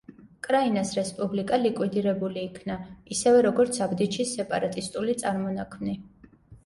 კრაინის რესპუბლიკა ლიკვიდირებული იქნა, ისევე როგორც აბდიჩის სეპარატისტული წარმონაქმნი.